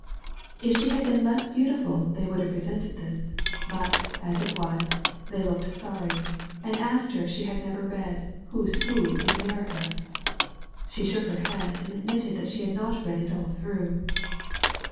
If she had been less beautiful they would have resented this. But, as it was, they looked sorry, and asked her if she had never read "Who's Who in America"? She shook her head, and admitted that she had not read it all through.